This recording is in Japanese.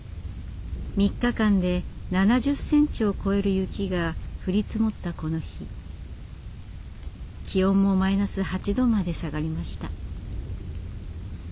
３日間で７０ｃｍを超える雪が降り積もったこの日気温もマイナス８℃まで下がりました。